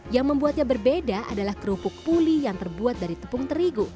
yang membuatnya berbeda adalah kerupuk pulih yang terbuat dari tepung terigu